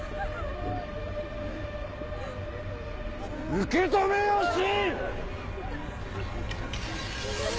受け止めよ秦！